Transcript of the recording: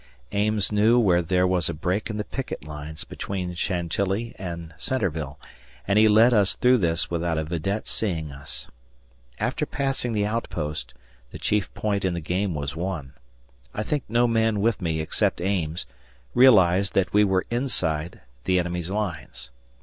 Ames knew where there was a break in the picket lines between Chantilly and Centreville, and he led us through this without a vidette seeing us. After passing the outpost the chief point in the game was won. I think no man with me, except Ames, realized that we were inside the enemy's lines.